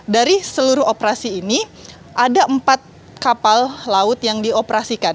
dari seluruh operasi ini ada empat kapal laut yang dioperasikan